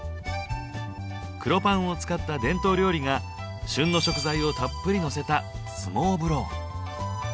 黒パンを使った伝統料理が旬の食材をたっぷりのせたスモーブロー。